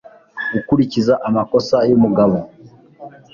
Gukurikiza amakosa yumugabo